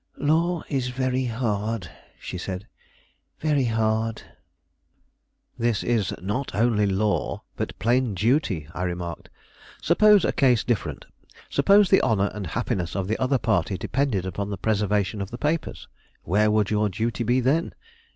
"Law is very hard," she said; "very hard." "This is not only law, but plain duty," I remarked. "Suppose a case different; suppose the honor and happiness of the other party depended upon the preservation of the papers; where would your duty be then?"